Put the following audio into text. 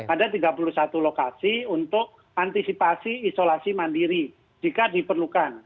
ada tiga puluh satu lokasi untuk antisipasi isolasi mandiri jika diperlukan